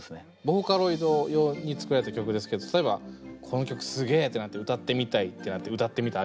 ボーカロイド用に作られた曲ですけど例えばこの曲すげえってなって歌ってみたいってなって「歌ってみた」